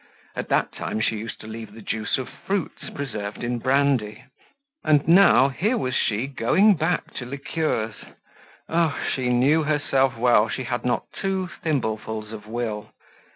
At that time, she used to leave the juice of fruits preserved in brandy. And now, here was she going back to liqueurs. Oh! she knew herself well, she had not two thimblefuls of will.